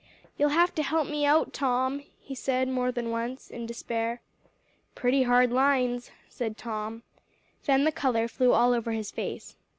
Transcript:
"You'll have to help me out, Tom," he said more than once in despair. "Pretty hard lines," said Tom. Then the color flew all over his face.